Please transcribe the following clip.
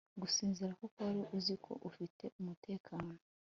gusinzira kuko wari uziko ufite umutekano